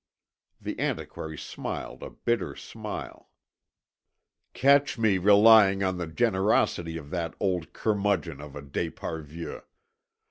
The antiquary smiled a bitter smile. "Catch me relying on the generosity of that old curmudgeon of a d'Esparvieu.